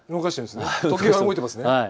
時計が動いていますね。